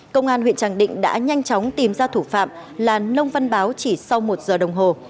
công an huyện tràng định đã nhanh chóng tìm ra thủ phạm là nông văn báo chỉ sau một giờ đồng hồ